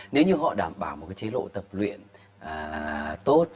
nếu như họ đảm bảo một cái chế độ tập luyện tốt